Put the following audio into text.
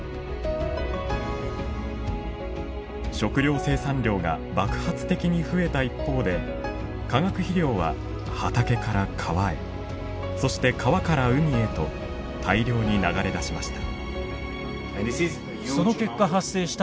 食糧生産量が爆発的に増えた一方で化学肥料は畑から川へそして川から海へと大量に流れ出しました。